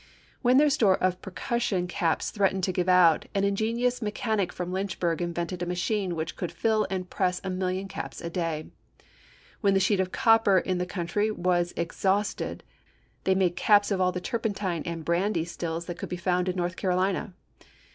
When their store of percussion caps threatened to give out, an ingenious mechanic from Lynchburg invented a machine which could fill and press a million caps a day. When the sheet copper in the country was exhausted, they made caps of all the turpentine and brandy stills that could be found in North Carolina.